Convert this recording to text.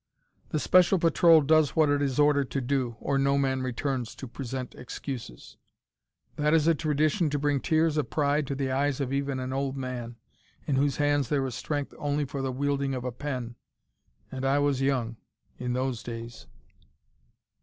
The Special Patrol does what it is ordered to do, or no man returns to present excuses. That is a tradition to bring tears of pride to the eyes of even an old man, in whose hands there is strength only for the wielding of a pen. And I was young, in those days.